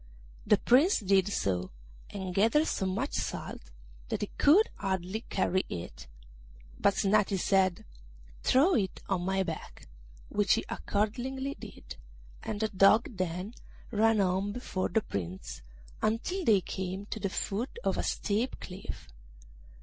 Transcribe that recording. The Prince did so, and gathered so much salt that he could hardly carry it; but Snati said, 'Throw it on my back,' which he accordingly did, and the Dog then ran on before the Prince, until they came to the foot of a steep cliff.